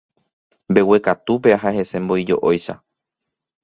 Mbeguekatúpe aha hese mbói jo'óicha.